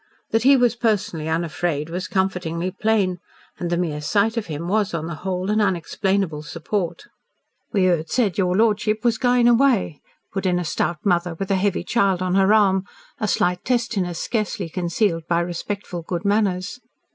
That he was personally unafraid was comfortingly plain, and the mere sight of him was, on the whole, an unexplainable support. "We heard said your lordship was going away," put in a stout mother with a heavy child on her arm, a slight testiness scarcely concealed by respectful good manners.